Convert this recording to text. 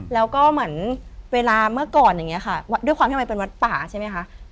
แล้วก็เหมือนเวลาเมื่อก่อนอย่างนี้ค่ะด้วยความที่มันเป็นวัดป่าใช่ไหมคะ